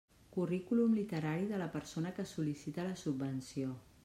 Currículum literari de la persona que sol·licita la subvenció.